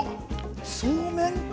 そうめんか。